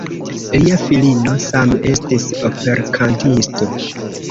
Lia filino same estis operkantisto.